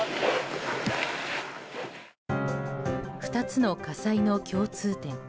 ２つの火災の共通点。